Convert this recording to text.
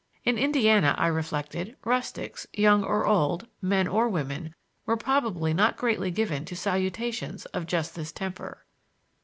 In Indiana, I reflected, rustics, young or old, men or women, were probably not greatly given to salutations of just this temper.